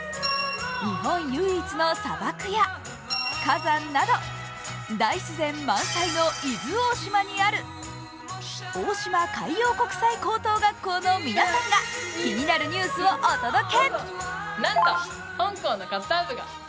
日本唯一の砂漠や火山など、大自然満載の伊豆大島にある大島海洋国際高等学校の皆さんが気になるニュースをお届け。